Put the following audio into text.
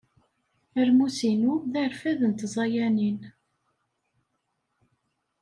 Aramsu-inu d arfad n tẓayanin.